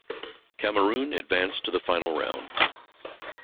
Cameroon advanced to the Final Round.